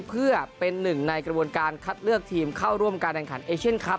เพื่อเป็นหนึ่งในกระบวนการคัดเลือกทีมเข้าร่วมการแข่งขันเอเชียนคลับ